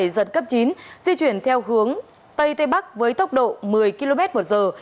giật cấp chín di chuyển theo hướng tây tây bắc với tốc độ một mươi km một giờ